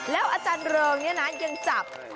แล้วอาจารย์เริงเนี่ยนะยังจับ